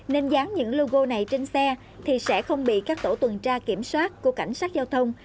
nên dán những logo này trên xe thì sẽ không bị các tổ tuần tra kiểm soát của cảnh sát giao thông